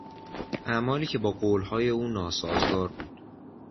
اعمالی که با قولهای او ناسازگار بود